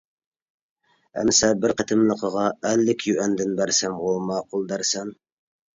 -ئەمسە بىر قېتىملىقىغا ئەللىك يۈەندىن بەرسەمغۇ ماقۇل دەرسەن!